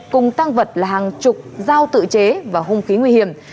cùng tăng vật là hàng chục dao tự chế và hung khí nguy hiểm